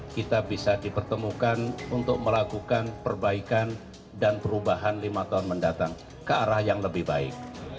kita bisa dipertemukan untuk melakukan perbaikan dan perubahan lima tahun mendatang ke arah yang lebih baik